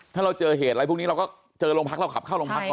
ถ้าเราเจอเหตุอะไรพวกนี้เราก็เจอโรงพักเราขับเข้าโรงพักก่อน